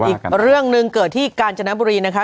อีกเรื่องหนึ่งเกิดที่กาญจนบุรีนะคะ